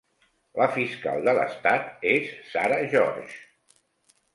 La fiscal de l'estat és Sarah George.